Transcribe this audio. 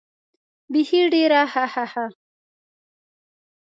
بېخي ډېر هههه.